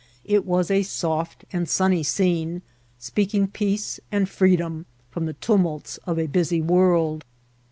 It was a soft and sunny scene, speaking peace and freedom from the tumults of a busy world.